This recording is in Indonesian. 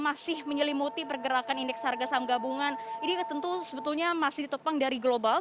jadi ini juga menyebabkan juga perkembangan pergerakan indeks harga saham gabungan ini tentu sebetulnya masih ditopang dari global